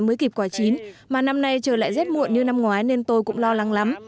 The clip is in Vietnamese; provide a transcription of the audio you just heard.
mới kịp quả chín mà năm nay trời lại rét muộn như năm ngoái nên tôi cũng lo lắng lắm